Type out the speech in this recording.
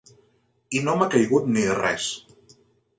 I no m'ha caigut ni res.